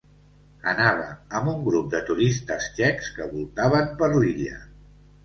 Anava amb un grup de turistes txecs que voltaven per l'illa.